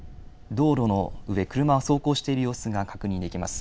道路の上、車は走行している様子が確認できます。